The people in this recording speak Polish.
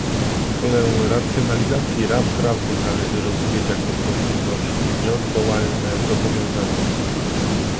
Wolę racjonalizacji ram prawnych należy rozumieć jako powinność i nieodwołalne zobowiązanie